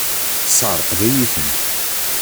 Tesεeṛqeḍ-iyi-tent!